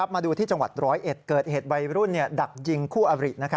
มาดูที่จังหวัดร้อยเอ็ดเกิดเหตุวัยรุ่นดักยิงคู่อบริ